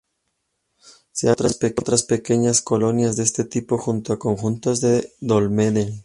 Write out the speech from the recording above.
Se han hallado otras pequeñas colonias de este tipo junto a conjuntos de dólmenes.